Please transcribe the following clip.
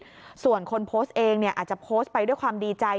ส่วนคนโพสต์เองเนี่ยอาจจะโพสต์ไปด้วยความดีใจ